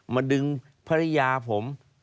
มาดึงภรรยาผม